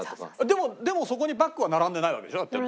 でもでもそこにバッグは並んでないわけでしょ？だって。